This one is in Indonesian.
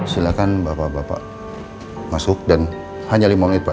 silakan bapak bapak masuk dan hanya lima menit pak